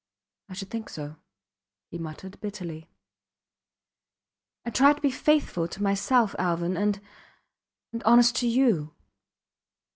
I should think so, he muttered, bitterly. I tried to be faithful to myself Alvan and ... and honest to you.